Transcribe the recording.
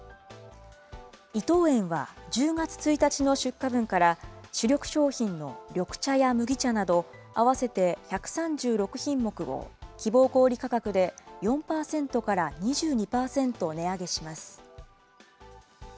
伊藤園は１０月１日の出荷分から、主力商品の緑茶や麦茶など、合わせて１３６品目を希望小売り価格で４％から２２％値上げします。